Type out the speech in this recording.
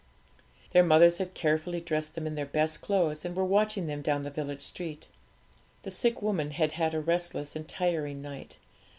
Their mothers had carefully dressed them in their best clothes, and were watching them down the village street. The sick woman had had a restless and tiring night.